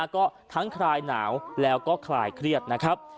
ก็ทั้งคลายหนาวแล้วก็คลายเครียดนะครับ